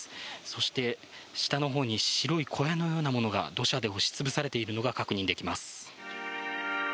そして、下のほうに白い小屋のようなものが土砂で押し潰されているのが確認できます。